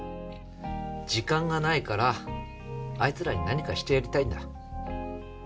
時間がないからあいつらに何かしてやりたいんだ